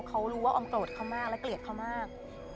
เขารู้ว่าออมโกรธเขามากและเกลียดเขามาก